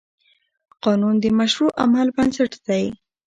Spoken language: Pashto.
قانون د مشروع عمل بنسټ دی.